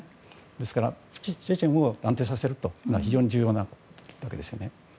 ですから、チェチェンを安定させるというのは非常に重要だったわけですよね。